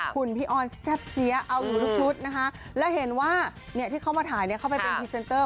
คุณพี่ออนแซ่บเสียเอาอยู่ทุกชุดนะคะแล้วเห็นว่าเนี่ยที่เขามาถ่ายเนี่ยเข้าไปเป็นพรีเซนเตอร์